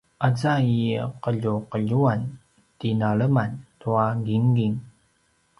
aza i qeljuqeljuan tinaleman tua gingin